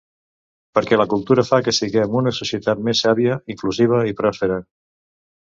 Perquè la cultura fa que siguem una societat més sàvia, inclusiva i pròspera.